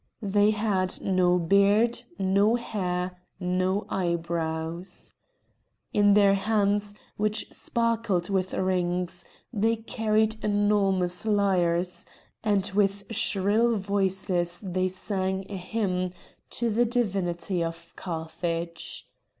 They had no beard, no hair, no eyebrows. In their hands, which sparkled with rings, they carried enormous lyres, and with shrill voice they sang a hymn to the divinity of Carthage.